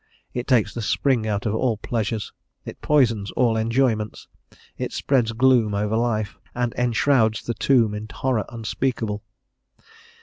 It takes the spring out of all pleasures; it poisons all enjoyments; it spreads gloom over life, and enshrouds the tomb in horror unspeakable.